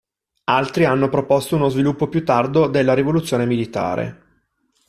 Altri hanno proposto uno sviluppo più tardo della rivoluzione militare.